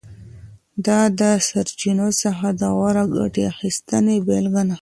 دا د سرچینو څخه د غوره ګټې اخیستنې بېلګه ده.